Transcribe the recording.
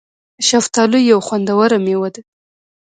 شفتالو یو خوندوره مېوه ده